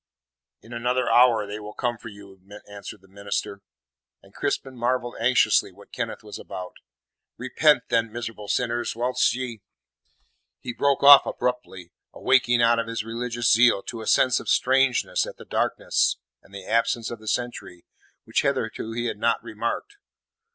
"In another hour they will come for you," answered the minister. And Crispin marvelled anxiously what Kenneth was about. "Repent then, miserable sinners, whilst yet " He broke off abruptly, awaking out of his religious zeal to a sense of strangeness at the darkness and the absence of the sentry, which hitherto he had not remarked.